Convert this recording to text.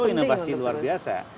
betul inovasi luar biasa